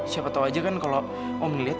siapa tahu aja kan kalau om melihat